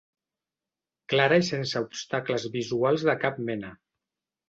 Clara i sense obstacles visuals de cap mena.